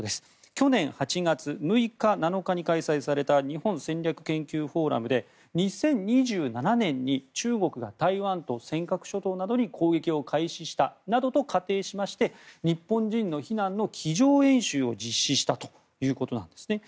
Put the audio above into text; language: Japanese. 去年８月の６日、７日に開催された日本戦略研究フォーラムで２０２７年に中国が台湾と尖閣諸島などに攻撃を開始したなどと仮定しまして日本人の避難の机上演習を実施したということなんですね。